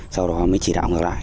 sau đó mới chỉ đạo ngược lại